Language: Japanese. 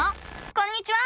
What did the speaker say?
こんにちは！